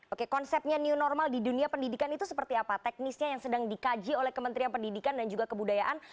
oke konsepnya new normal di dunia pendidikan itu seperti apa teknisnya yang sedang dikaji oleh kementerian pendidikan dan juga kebudayaan